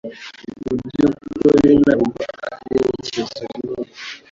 Mubyukuri ntabwo arikibazo kinini.